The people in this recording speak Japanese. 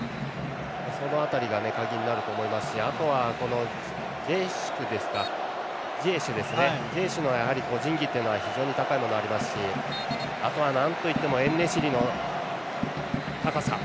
その辺りが鍵になると思いますしあとはジエシュの個人技というのは非常に高いものがありますしあとは、なんといってもエンネシリの高さ。